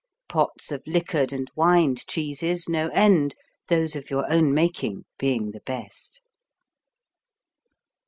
Pots of liquored and wined cheeses, no end, those of your own making being the best.